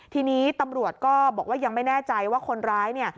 ทีนี้ตำรวจก็บอกว่ายังไม่แน่ใจว่าคนร้ายเนี่ย